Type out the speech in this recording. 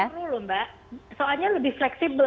menurunkan dulu mbak soalnya lebih fleksibel